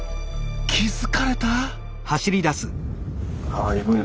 気付かれた？